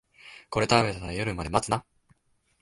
これ食べたら夜まで持つな